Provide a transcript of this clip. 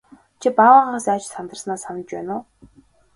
Чи баавгайгаас айж сандарснаа санаж байна уу?